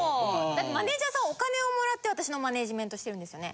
マネジャーさんお金をもらって私のマネジメントしてるんですよね。